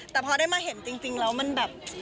แต่พอได้มาเห็นจริงแล้วมันแบบ